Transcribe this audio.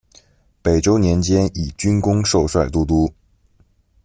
北周年间，以军功授帅都督。